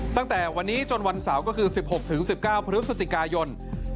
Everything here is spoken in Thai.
ตั้งแต่วันนี้จนวันเสาร์ก็คือ๑๖๑๙พฤศจิกายน